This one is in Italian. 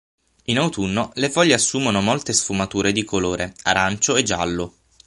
In autunno le foglie assumono molte sfumature di colore, arancio e giallo.